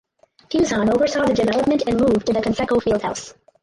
Fuson oversaw the development and move to the Conseco Fieldhouse.